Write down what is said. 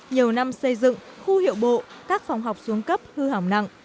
nhiều năm xây dựng khu hiệu bộ các phòng học xuống cấp hư hỏng nặng